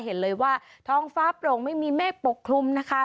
เห็นเลยว่าท้องฟ้าโปร่งไม่มีเมฆปกคลุมนะคะ